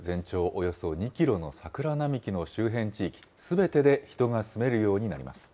およそ２キロの桜並木の周辺地域、すべてで人が住めるようになります。